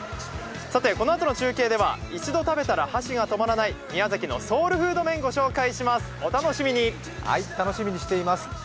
さて、このあとの中継では、一度食べたら箸が止まらない宮崎のソウルフード麺をご紹介します。